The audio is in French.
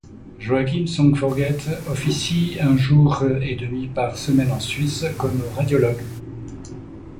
Joachim Son-Forget officie un jour et demi par semaine en Suisse, comme radiologue.